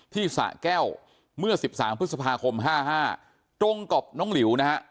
สะแก้วเมื่อ๑๓พฤษภาคม๕๕ตรงกับน้องหลิวนะฮะ